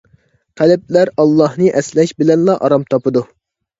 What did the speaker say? قەلبلەر ئاللاھنى ئەسلەش بىلەنلا ئارام تاپىدۇ.